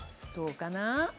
どうかな？